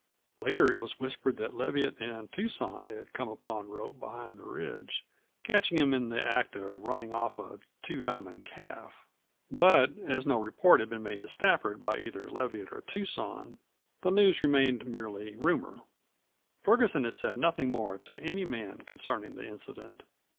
Later it was whispered that Leviatt and Tucson had come upon Rope behind the ridge, catching him in the act of running off a Two Diamond calf. But as no report had been made to Stafford by either Leviatt or Tucson, the news remained merely rumor. Ferguson had said nothing more to any man concerning the incident.